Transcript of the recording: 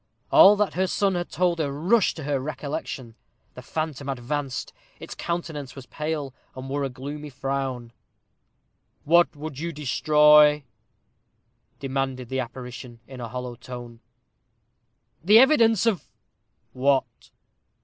All that her son had told her rushed to her recollection. The phantom advanced. Its countenance was pale, and wore a gloomy frown. "What would you destroy?" demanded the apparition, in a hollow tone. "The evidence of " "What?"